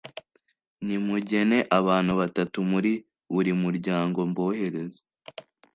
nimugene abantu batatu muri buri muryango mbohereze